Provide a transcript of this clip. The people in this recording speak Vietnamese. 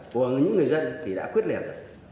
của những người dân thì đã khuyết liệt rồi